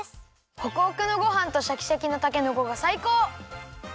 ホクホクのごはんとシャキシャキのたけのこがさいこう！